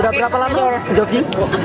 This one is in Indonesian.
sudah berapa lama jogi